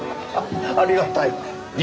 ありがたい。